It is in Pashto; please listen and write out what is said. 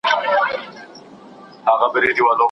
خلک ګڼي نومیالي لیکوالان د کره کتنې له غشي خوندي دي.